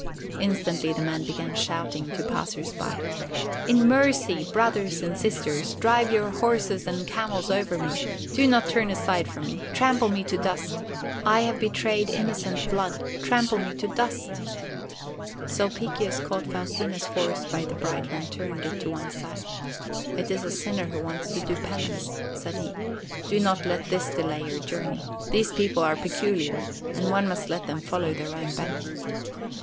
Instantly the man began shouting to the passers by: "In mercy, brothers and sisters, drive your horses and camels over me! Do not turn aside for me! Trample me to dust! I have betrayed innocent blood. Trample me to dust!" Sulpicius caught Faustina's horse by the bridle and turned it to one side. "It is a sinner who wants to do penance," said he. "Do not let this delay your journey. These people are peculiar and one must let them follow their own bent."